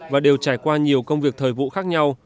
và đều trải qua nhiều công việc thời vụ khác nhau